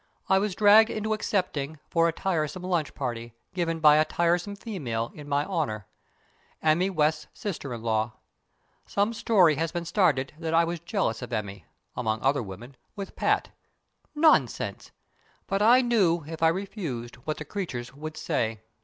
I was dragged into accepting for a tiresome lunch party, given by a tiresome female, in my honour: Emmy West's sister in law. Some story has been started that I was jealous of Emmy (among other women!) with Pat. Nonsense! But I knew, if I refused, what the creatures would say.